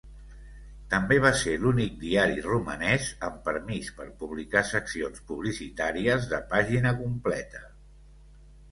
També va ser l'únic diari romanès amb permís per publicar seccions publicitàries de pàgina completa.